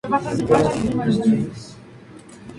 El abanderado de la delegación fue Bruno Rojas.